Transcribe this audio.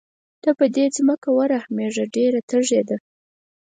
ته په دې ځمکه ورحمېږه ډېره تږې ده.